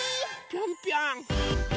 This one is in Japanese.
ぴょんぴょん！